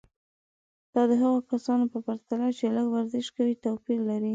دا د هغو کسانو په پرتله چې لږ ورزش کوي توپیر لري.